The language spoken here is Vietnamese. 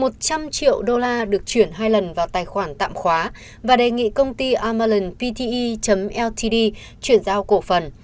một trăm linh triệu đô la được chuyển hai lần vào tài khoản tạm khóa và đề nghị công ty amalland pte ltd chuyển giao cổ phần